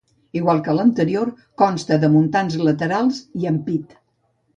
Igual que l'anterior consta de muntants laterals i ampit.